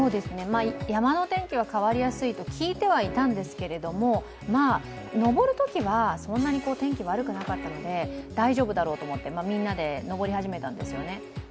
山の天気は変わりやすいと聞いてはいたんですけれども登るときはそんなに天気悪くなかったので大丈夫だろうと思って、みんなで登り始めたんですよね。